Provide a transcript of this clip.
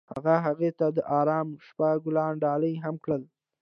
هغه هغې ته د آرام شپه ګلان ډالۍ هم کړل.